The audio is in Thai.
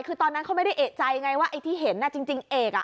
คือตอนนั้นเขาไม่ได้เอกใจไงว่าไอ้ที่เห็นจริงเอกอ่ะ